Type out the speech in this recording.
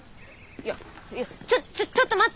いやいやちょっちょっちょっと待って。